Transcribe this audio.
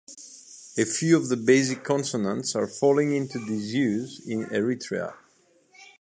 A few of the basic consonants are falling into disuse in Eritrea.